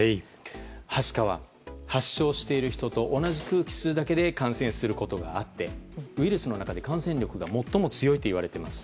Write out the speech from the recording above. はしかは発症している人と同じ空気を吸うだけで感染することがあってウイルスの中で感染力が最も強いといわれています。